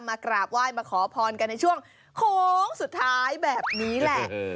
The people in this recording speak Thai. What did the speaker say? กราบไหว้มาขอพรกันในช่วงโค้งสุดท้ายแบบนี้แหละ